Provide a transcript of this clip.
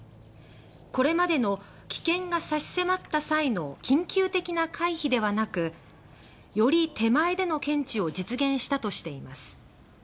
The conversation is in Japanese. これまでの危険が差し迫った際の緊急的な回避ではなくより手前での検知を実現したとしています。